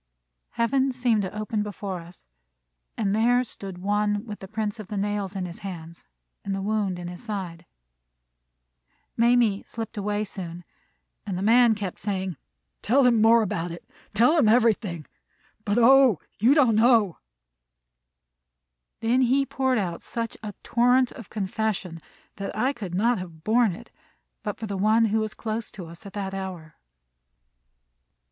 Heaven seemed to open before us, and there stood One with the prints of the nails in his hands and the wound in his side. Mamie slipped away soon, and the man kept saying: "Tell him more about it. Tell him everything. But, O, you don't know!" Then he poured out such a torrent of confession that I could not have borne it but for One who was close to us at that hour.